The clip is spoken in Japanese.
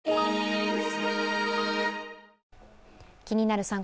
「気になる！